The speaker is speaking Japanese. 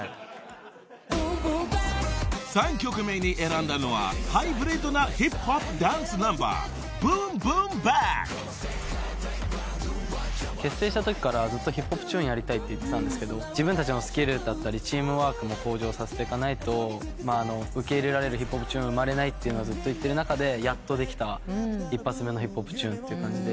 ［３曲目に選んだのはハイブリッドなヒップホップダンスナンバー］結成したときからずっとヒップホップチューンやりたいって言ってたんですけど自分たちのスキルだったりチームワークも向上させていかないと受け入れられるヒップホップチューン生まれないとずっと言ってる中でやっとできた一発目のヒップホップチューンって感じで。